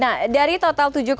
mungkin itu mbak tiffany